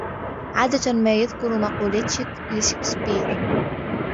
عادة ما يذكر مقولات لشيكسبير.